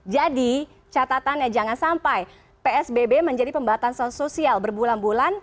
jadi catatannya jangan sampai psbb menjadi pembatasan sosial berbulan bulan